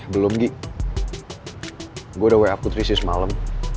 belum gi gue udah wa putri si semalem